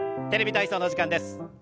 「テレビ体操」の時間です。